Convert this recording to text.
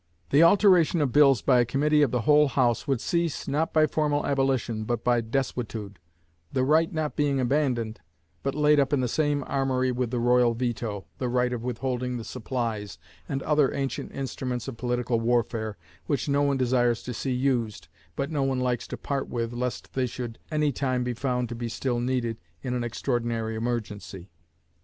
The alteration of bills by a committee of the whole House would cease, not by formal abolition, but by desuetude; the right not being abandoned, but laid up in the same armoury with the royal veto, the right of withholding the supplies, and other ancient instruments of political warfare, which no one desires to see used, but no one likes to part with, lest they should any time be found to be still needed in an extraordinary emergency.